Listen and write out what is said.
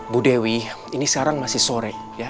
bu dewi ini sekarang masih sore